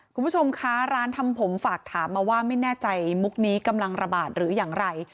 คุณผู้ชมคะร้านทำผมฝากถามมาว่าไม่แน่ใจมุกนี้กำลังระบาดหรืออย่างไร